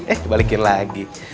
eh balikin lagi